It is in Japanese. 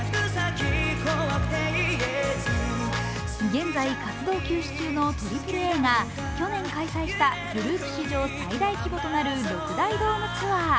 現在、活動休止中のＡＡＡが去年開催したグループ史上最大規模となる６大ドームツアー。